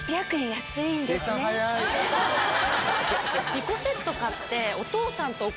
２個セット買って。